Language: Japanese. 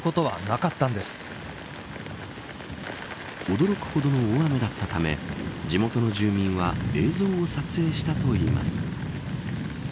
驚くほどの大雨だったため地元の住民は映像を撮影したといいます。